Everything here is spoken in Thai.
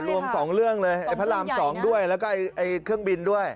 รวม๒เรื่องเลยไอ้พระราม๒ด้วยแล้วก็เครื่องบินด้วย